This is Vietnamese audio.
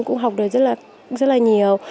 cũng học được rất là nhiều